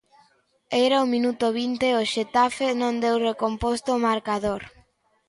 Era o minuto vinte e o Xetafe non deu recomposto o marcador.